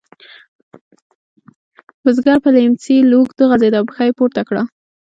بزګر پر لیهمڅي اوږد وغځېد او پښه یې پورته کړه.